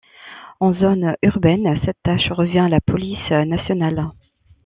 En zone urbaine, cette tâche revient à la police nationale.